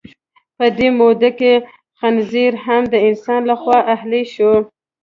په دې موده کې خنزیر هم د انسان لخوا اهلي شو.